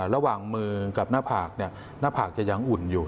ระหว่างมือกับหน้าผากหน้าผากจะยังอุ่นอยู่